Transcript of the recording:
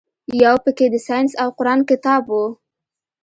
يو پکښې د ساينس او قران کتاب و.